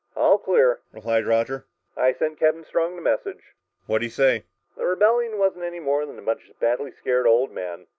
"All clear," replied Roger. "I sent Captain Strong the message." "What'd he say?" "The rebellion wasn't anything more than a bunch of badly scared old men.